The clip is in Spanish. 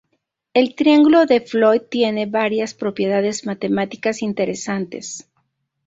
El triángulo de Floyd tiene varias propiedades matemáticas interesantes.